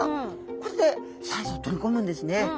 これで酸素を取り込むんですね。